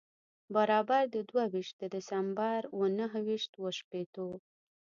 برابر د دوه ویشت د دسمبر و نهه ویشت و شپېتو.